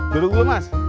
duduk dulu mas